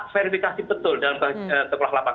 verifikasi betul dalam tekelah lapang